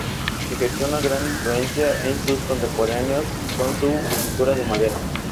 Ejerció una gran influencia en sus contemporáneos con su escultura de madera.